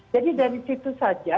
jadi dari situ saja